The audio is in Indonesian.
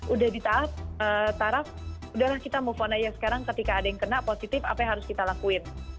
udah di tahap taraf udahlah kita move on aja sekarang ketika ada yang kena positif apa yang harus kita lakuin